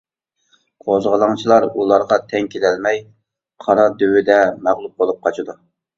قوزغىلاڭچىلار ئۇلارغا تەڭ كېلەلمەي، قارا دۆۋىدە مەغلۇپ بولۇپ قاچىدۇ.